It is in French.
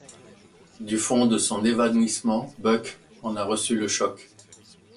Du fond de son évanouissement, Buck en a reçu le choc.